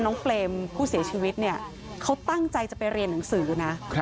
เปรมผู้เสียชีวิตเนี่ยเขาตั้งใจจะไปเรียนหนังสือนะ